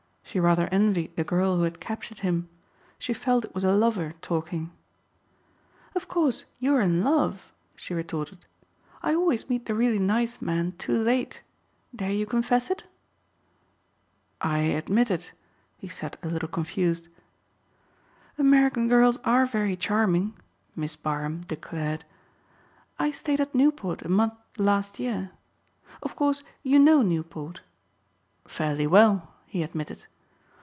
She rather envied the girl who had captured him. She felt it was a lover talking. "Of course you are in love," she retorted. "I always meet the really nice men too late. Dare you confess it?" "I admit it," he said a little confused. "American girls are very charming," Miss Barham declared. "I stayed at Newport a month last year. Of course you know Newport?" "Fairly well," he admitted.